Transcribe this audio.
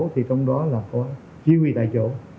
thì trong đó là có chí huy tại chỗ